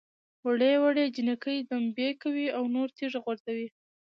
وړې وړې جنکۍ دمبۍ کوي او نور تیږه غورځوي.